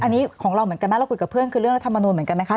อันนี้ของเราเหมือนกันไหมเราคุยกับเพื่อนคือเรื่องรัฐมนุนเหมือนกันไหมคะ